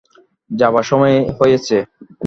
যাবার সময় হয়েছে!